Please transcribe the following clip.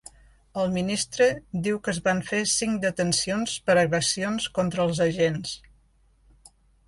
El ministre diu que es van fer cinc detencions per agressions contra els agents.